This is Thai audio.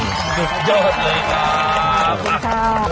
ยอดเลยครับ